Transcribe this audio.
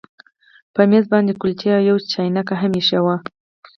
په میز باندې کلچې او یو چاینک هم ایښي وو